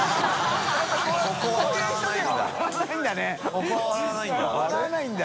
ここは笑わないんだ。